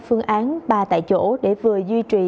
phương án ba tại chỗ để vừa duy trì